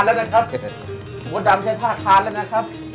มดดำใช้ท่าคานแล้วนะครับ